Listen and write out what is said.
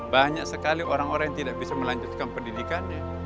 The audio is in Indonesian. banyak sekali orang orang yang tidak bisa melanjutkan pendidikannya